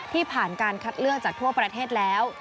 ผ่านการคัดเลือกจากทั่วประเทศแล้ว